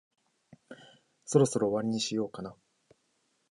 そろそろ終わりにしようかな。